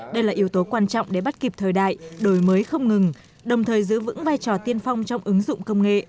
đây là yếu tố quan trọng để bắt kịp thời đại đổi mới không ngừng đồng thời giữ vững vai trò tiên phong trong ứng dụng công nghệ